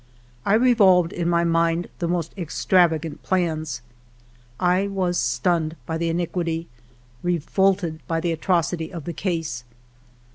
I revolved in my mind the most ex travagant plans ; I was stunned by the iniquity, revolted by the atrocity of the case.